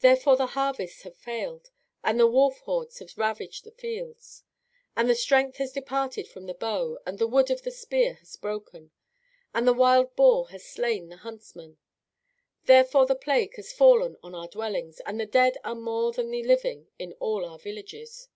Therefore the harvests have failed, and the wolf hordes have ravaged the folds, and the strength has departed from the bow, and the wood of the spear has broken, and the wild boar has slain the huntsman. Therefore the plague has fallen on our dwellings, and the dead are more than the living in all our villages.